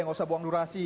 tidak usah buang durasi